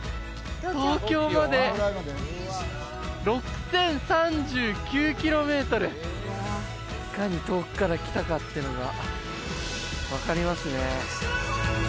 東京まで６０３９キロメートルいかに遠くから来たかっていうのが分かりますね